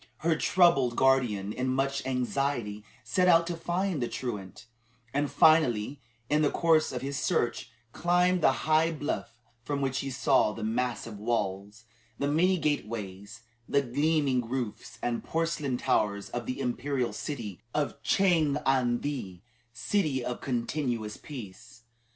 Her troubled guardian, in much anxiety, set out to find the truant; and, finally, in the course of his search, climbed the high bluff from which he saw the massive walls, the many gateways, the gleaming roofs, and porcelain towers of the Imperial city of Chang an the City of Continuous Peace.